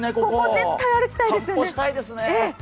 ここ絶対歩きたいですよね。